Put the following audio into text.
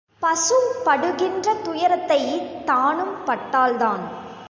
பசு படுகின்ற துயரத்தைத் தானும் பட்டால்தான்.